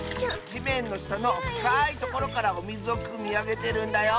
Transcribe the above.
じめんのしたのふかいところからおみずをくみあげてるんだよ。